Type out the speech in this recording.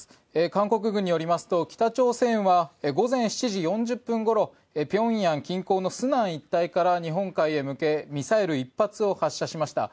韓国軍によりますと北朝鮮は午前７時４０分ごろ平壌近郊の順安一帯から日本海へ向けミサイル１発を発射しました。